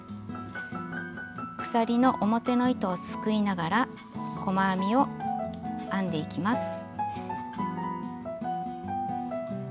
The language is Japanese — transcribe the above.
鎖の表の糸をすくいながら細編みを編んでいきます。